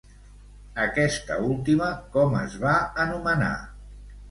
Aquesta última, com es va anomenar?